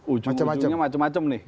ujung ujungnya macam macam nih